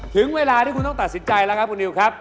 ถึงเวลาที่คุณต้องตัดสินใจแล้วครับคุณนิวครับ